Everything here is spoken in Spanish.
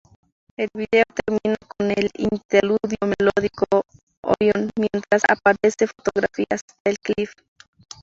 El vídeo termina con el interludio melódico Orion mientras aparecen fotografías de Cliff.